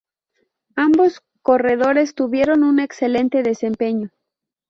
Ambos Corredores tuvieron un excelente desempeño.